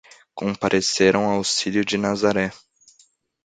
Compareceram ao Círio de Nazaré